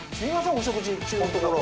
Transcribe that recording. お食事中のところ。